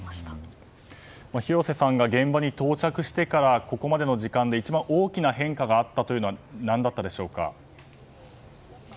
広瀬さんが現場に到着してからここまでの時間で一番大きな変化があったのは何だったでしょうか。